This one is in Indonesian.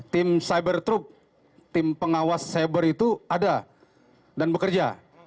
tim cyber troop tim pengawas cyber itu ada dan bekerja